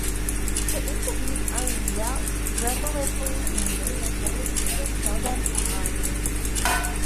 Her interviews are revelatory in a way other people's seldom are.